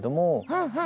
うんうん！